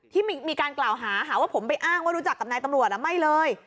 ที่มีการกล่าวหาหาว่าผมไปอ้างว่ารู้จักกับนายตำรวจไม่เลย